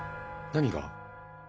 何が？